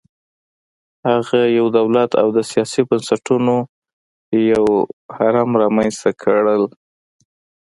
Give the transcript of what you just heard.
هغه یو دولت او د سیاسي بنسټونو یو هرم رامنځته کړل